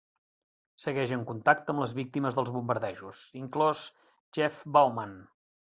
Segueix en contacte amb les víctimes dels bombardejos, inclòs Jeff Bauman.